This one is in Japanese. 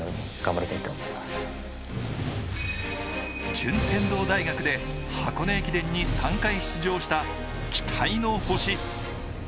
順天堂大学で箱根駅伝に３回出場した期待の星。